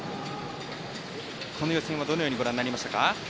この予選をどのようにご覧になりましたか？